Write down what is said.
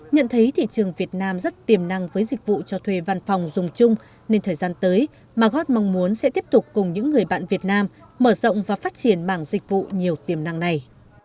nhận thấy thị trường việt nam rất tiềm năng với dịch vụ cho thuê văn phòng dùng chung nên thời gian tới margot mong muốn sẽ tiếp tục cùng những người bạn việt nam mở rộng và phát triển mảng dịch vụ nhiều tiềm năng này